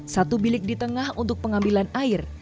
satu bilik di tengah untuk pengambilan air